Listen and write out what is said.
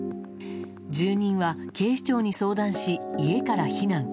住人は警視庁に相談し家から避難。